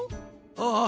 ああ